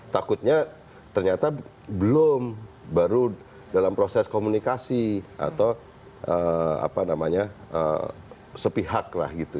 takutnya ternyata belum baru dalam proses komunikasi atau apa namanya sepihak lah gitu